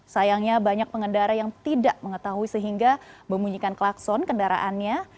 sayangnya banyak pengendara yang tidak mengetahui sehingga memunyikan klakson kendaraannya